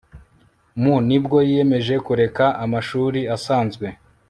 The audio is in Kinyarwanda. mu nibwo yiyemeje kureka amashuri asanzwe